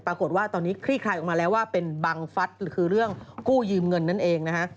ปรากฏว่าตอนนี้คลี่คลายออกมาแล้วว่าเป็นบังฟัดคือเรื่องกู้ยืมเงินนั่นเองนะฮะ